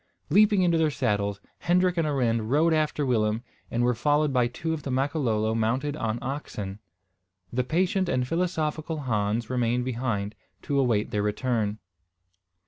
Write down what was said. Leaping into their saddles Hendrik and Arend rode after Willem, and were followed by two of the Makololo mounted on oxen. The patient and philosophical Hans remained behind, to await their return.